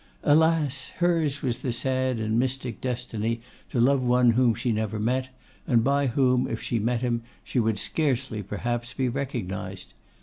Alas! hers was the sad and mystic destiny to love one whom she never met, and by whom, if she met him, she would scarcely, perhaps, be recognised.